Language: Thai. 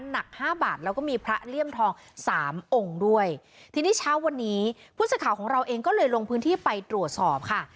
หนักห้าบาทแล้วก็มีพระเลี่ยมทองสามองค์ด้วยทีนี้เช้าวันนี้ผู้สื่อข่าวของเราเองก็เลยลงพื้นที่ไปตรวจสอบค่ะ